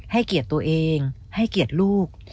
ให้เกียรติตัวเองให้เกียรติลูก